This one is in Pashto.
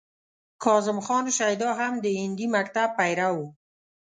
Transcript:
کاظم خان شیدا هم د هندي مکتب پیرو و.